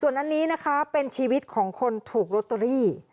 อันนี้นะคะเป็นชีวิตของคนถูกลอตเตอรี่